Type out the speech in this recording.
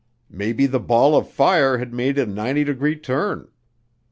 Maybe the ball of fire had made a 90 degree turn.